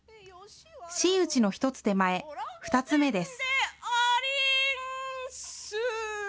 真打ちの一つ手前、二ツ目です。